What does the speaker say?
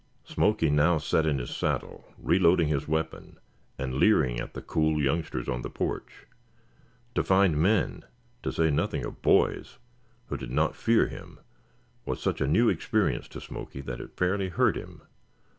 Smoky now sat in his saddle, reloading his weapon and leering at the cool youngsters on the porch. To find men, to say nothing of boys, who did not fear him, was such a new experience to Smoky that it fairly hurt him.